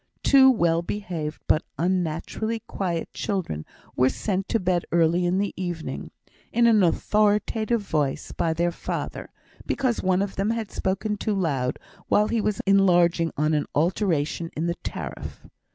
Two well behaved but unnaturally quiet children were sent to bed early in the evening, in an authoritative voice, by their father, because one of them had spoken too loud while he was enlarging on an alteration in the tariff.